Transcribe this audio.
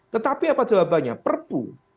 tetapi apa jawabannya perpu